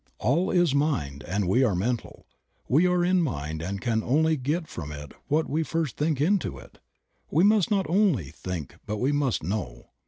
All is mind and we are mental, we are in mind and can only get from it what we first think into it. We must not only think but we must know.